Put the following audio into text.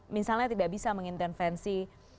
misalnya tidak bisa mengintensifensi